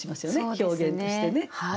表現としてね。